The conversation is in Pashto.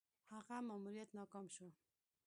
هغه ماموریت ناکام شو.